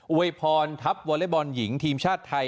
วยพรทัพวอเล็กบอลหญิงทีมชาติไทย